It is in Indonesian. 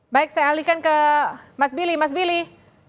baik saya alihkan ke mas billy